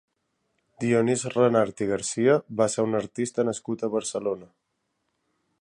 Dionís Renart i Garcia va ser un artista nascut a Barcelona.